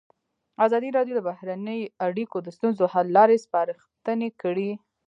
ازادي راډیو د بهرنۍ اړیکې د ستونزو حل لارې سپارښتنې کړي.